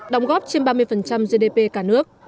đóng góp trên ba mươi gdp cả nước